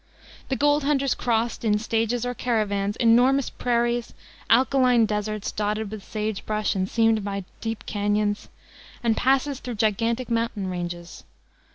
The gold hunters crossed, in stages or caravans, enormous prairies, alkaline deserts dotted with sage brush and seamed by deep cañons, and passes through gigantic mountain ranges.